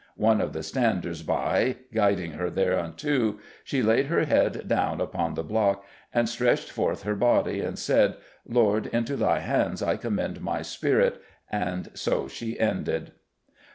One of the standers by guyding her thereunto, she layde her head downe upon the block, and stretched forth her body, and said, 'Lord, into Thy hands I commend my spirit,' and so she ended."